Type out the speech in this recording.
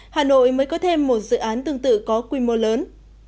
hà nội mới có thêm một dự án tương tự có quy mô lớn